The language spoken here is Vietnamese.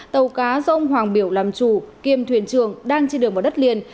tàu cá do ông hoàng biểu làm chủ kiêm thuyền trường đang trên đường vào đất liền